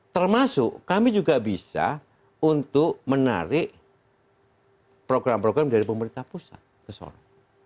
termasuk kami juga bisa untuk menarik program program dari pemerintah pusat ke soro